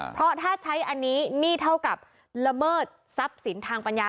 เพราะถ้าใช้อันนี้หนี้เท่ากับละเมิดทรัพย์สินทางปัญญา